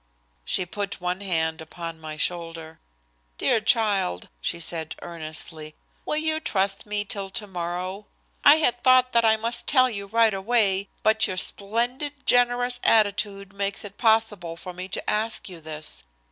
She put one hand upon my shoulder. "Dear child," she said earnestly, "will you trust me till tomorrow? I had thought that I must tell you right away, but your splendid generous attitude makes it possible for me to ask you this.